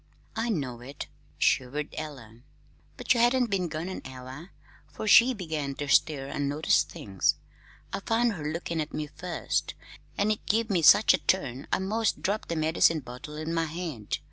"I know it," shivered Ella, "but you hadn't been gone an hour 'fore she began to stir an' notice things. I found her lookin' at me first, an' it give me such a turn I 'most dropped the medicine bottle in my hand.